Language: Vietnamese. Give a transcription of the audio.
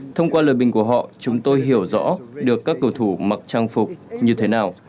thông qua lời bình của họ chúng tôi hiểu rõ được các cầu thủ mặc trang phục như thế nào